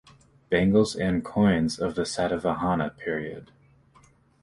Bangles and coins of the Satavahana period.